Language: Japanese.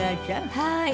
はい。